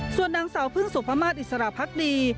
ส่วนนักเศร้าผึ้งสุภมาตย์อิสราภัคดี